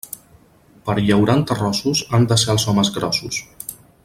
Per llaurar en terrossos, han de ser els homes grossos.